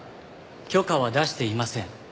許可は出していません。